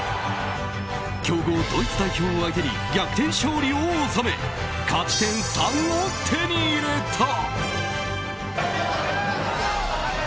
強豪ドイツ代表を相手に逆転勝利を収め勝ち点３を手に入れた。